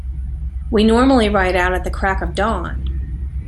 We normally ride out at the crack of dawn.